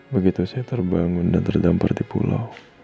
begitu saya terbangun dan terdampar di pulau